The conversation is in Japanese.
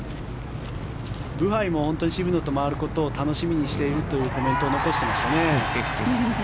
ブハイも本当に渋野と回ることを楽しみにしているというコメントを残していましたね。